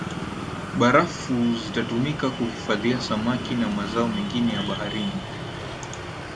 Barafu zitatumika kuhifadhia samaki na mazao mengine ya baharini